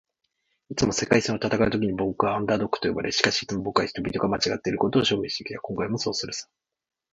「いつも“世界戦”を戦うときに僕は『アンダードッグ』と呼ばれる。しかし、いつも僕は人々が間違っていることを証明してきた。今回もそうするさ」